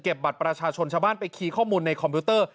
บัตรประชาชนชาวบ้านไปคีย์ข้อมูลในคอมพิวเตอร์